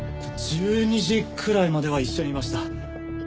１２時くらいまでは一緒にいました。